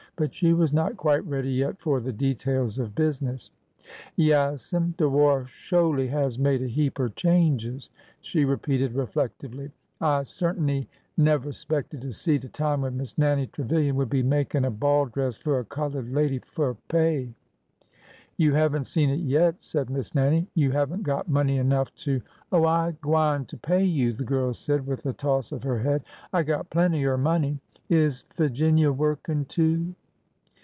But she was not quite ready yet for the details of business. " Yaas'm, de war sho'ly has made a heap er changes," she repeated reflectively ;" I cert'n'y never 'spected to see de time when Miss Nannie Trevilian would be makin' a ball dress fur a colored lady— fur pay! "" You have n't seen it yet! " said Miss Nannie. " You have n't got money enough to —"" Oh, I gwineter pay you," the girl said, with a toss of her head. " I got plenty er money ! Is Figinia workin', too?"